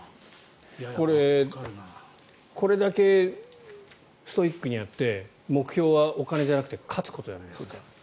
これだけストイックにやって目標はお金じゃなくて勝つことじゃないですか。